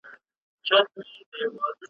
د غریب ملا په آذان څوک روژه هم نه ماتوي `